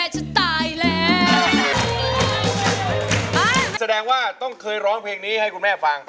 ทุกคนคือไปบ้าง